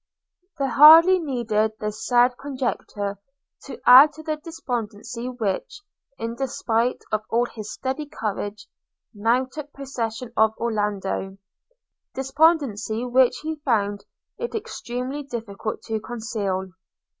There hardly needed this sad conjecture to add to the despondency which, in despite of all his steady courage, now took possession of Orlando – despondency which he found it extremely difficult to conceal.